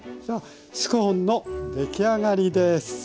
スコーンの出来上がりです。